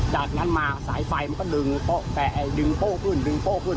จากนั้นมาสายไฟมันก็ดึงโป้ขึ้นดึงโป้ขึ้น